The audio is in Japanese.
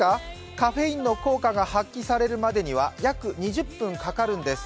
カフェインの効果が発揮されるまでには約２０分かかるんです。